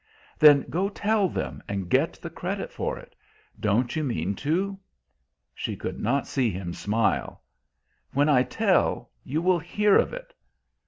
"Then go tell them, and get the credit for it. Don't you mean to?" She could not see him smile. "When I tell, you will hear of it."